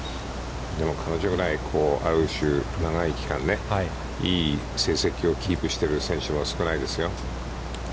彼女ぐらいある種長い期間、いい成績をキープしている選手も少ないですよ。